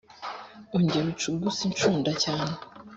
Ongera ucuguse incunda cyane